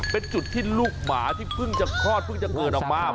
เป็นจุดที่ลูกหมาที่เพิ่งจะคลอดเพิ่งจะเกิดออกมา